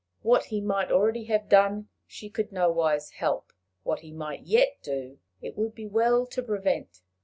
What he might already have done, she could nowise help; what he might yet do, it would be well to prevent.